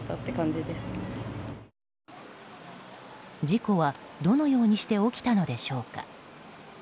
事故はどのようにして起きたのでしょうか。